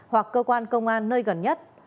hoặc cơ quan công an nơi gần nhất